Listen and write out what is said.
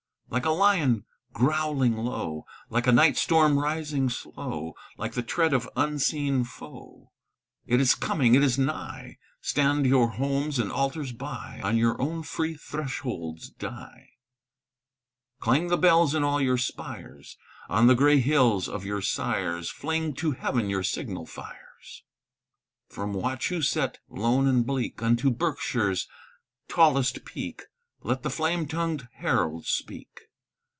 Like a lion growling low, Like a night storm rising slow, Like the tread of unseen foe; It is coming, it is nigh! Stand your homes and altars by; On your own free thresholds die. Clang the bells in all your spires; On the gray hills of your sires Fling to heaven your signal fires. From Wachuset, lone and bleak, Unto Berkshire's tallest peak, Let the flame tongued heralds speak.